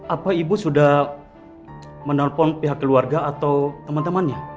apa ibu sudah menelpon pihak keluarga atau teman temannya